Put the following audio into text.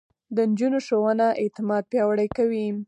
د نجونو ښوونه اعتماد پياوړی کوي.